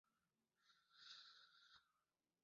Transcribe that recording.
No estaba equipada con equipo de radio.